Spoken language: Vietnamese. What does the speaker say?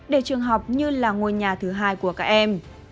để trường học như là ngôi nhà thứ hai của các em